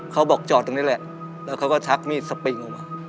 จอดตรงนี้แหละแล้วเขาก็ชักมีดสปริงออกมา